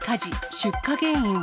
出火原因は。